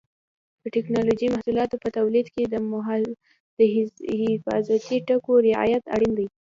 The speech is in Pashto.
د ټېکنالوجۍ محصولاتو په تولید کې د حفاظتي ټکو رعایت اړین دی.